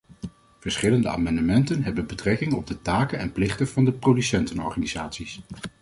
Verschillende amendementen hebben betrekking op de taken en plichten van de producentenorganisaties.